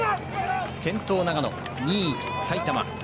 先頭、長野２位、埼玉。